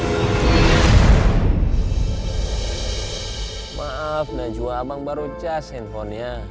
maaf najwa abang baru casin ponenya